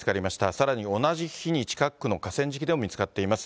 さらに同じ日に近くの河川敷でも見つかっています。